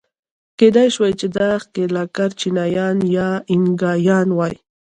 کېدای شوای چې دا ښکېلاکګر چینایان یا اینکایان وای.